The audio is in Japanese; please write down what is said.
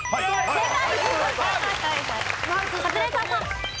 正解。